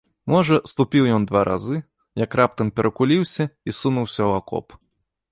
Можа, ступіў ён два разы, як раптам перакуліўся і сунуўся ў акоп.